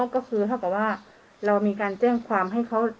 อ๋อก็คือถ้าเกิดว่าเรามีการแจ้งความให้เขา